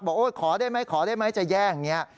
บอกโอ้โหขอได้ไหมจะแย่ง